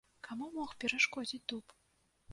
Каму мог перашкодзіць дуб?